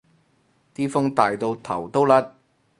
啲風大到頭都甩